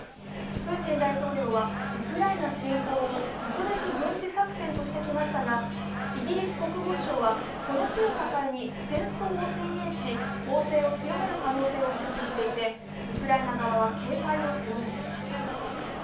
プーチン大統領はウクライナ侵攻を特別軍事作戦としてきましたがイギリス国防省は、この日を境に戦争を宣言し、攻勢を強める可能性を指摘していてウクライナ側は警戒を強めています。